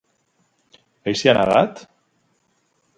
Ell s'hi ha negat?